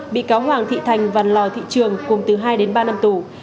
bị cáo hoàng thị thành và lò thị trường cùng từ hai đến ba năm tù